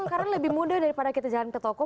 karena lebih mudah daripada kita jalan ke toko